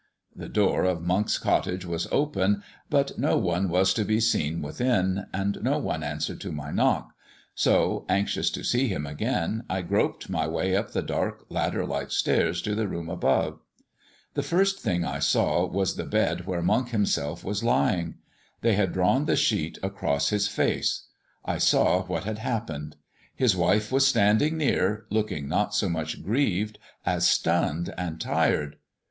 The door of Monk's cottage was open, but no one was to be seen within, and no one answered to my knock, so, anxious to see him again, I groped my way up the dark ladder like stairs to the room above. The first thing I saw was the bed where Monk himself was lying. They had drawn the sheet across his face: I saw what had happened. His wife was standing near, looking not so much grieved as stunned and tired.